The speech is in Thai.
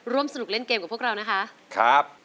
ร่วมสนุกเล่นเกมกับพวกเรานะคะครับ